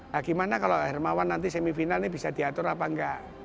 bagaimana kalau hermawan nanti semifinal ini bisa diatur apa enggak